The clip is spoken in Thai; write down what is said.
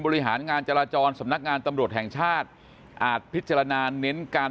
บริหารงานจราจรสำนักงานตำรวจแห่งชาติอาจพิจารณาเน้นการ